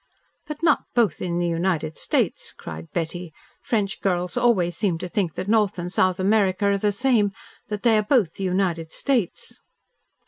"But not both in the United States," cried Betty. "French girls always seem to think that North and South America are the same, that they are both the United States."